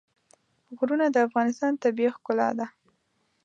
غرونه د افغانستان طبیعي ښکلا ده.